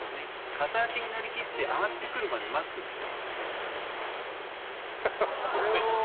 片足になりきって上がってくるまで待つんです。